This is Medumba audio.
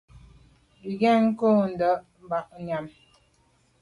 Bin ke nko ndèn banyàm.